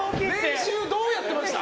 練習、どうやってました？